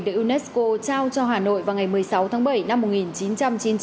được unesco trao cho hà nội vào ngày một mươi sáu tháng bảy năm một nghìn chín trăm chín mươi chín